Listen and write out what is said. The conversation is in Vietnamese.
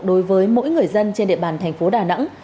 đối với mỗi người dân trên địa bàn thành phố đà nẵng